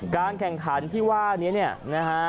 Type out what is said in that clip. การแข่งขันที่ว่านี้เนี่ยนะฮะ